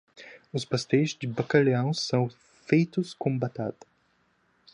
Os pastéis de bacalhau são feitos com batata.